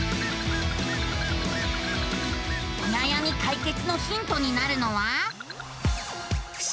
おなやみ解決のヒントになるのは。